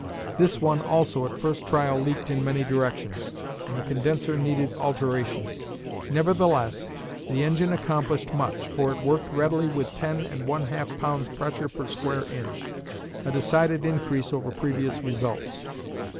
This one also at first trial leaked in many directions, and the condenser needed alterations. Nevertheless, the engine accomplished much, for it worked readily with ten and one half pounds pressure per square inch, a decided increase over previous results.